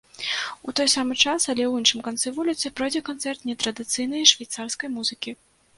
У той самы час, але ў іншых канцы вуліцы пройдзе канцэрт нетрадыцыйнай швейцарскай музыкі.